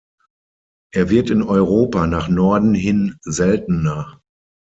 Er wird in Europa nach Norden hin seltener.